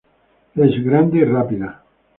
Es grande y rápida.